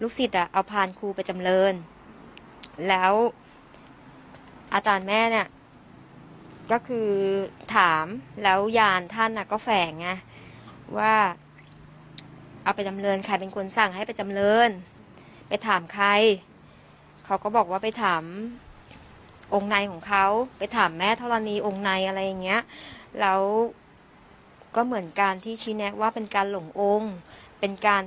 ลูกศิษย์อ่ะเอาพาณครูไปจำเริญแล้วอัตราแม่เนี่ยก็คือถามแล้วยานท่านอ่ะก็แฝงอ่ะว่าเอาไปจำเริญใครเป็นคนสั่งให้ไปจำเริญไปถามใครเขาก็บอกว่าไปถามองค์นายของเขา